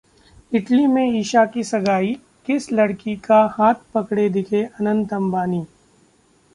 Italy में ईशा की सगाई, किस लड़की का हाथ पकड़े दिखे अनंत अंबानी?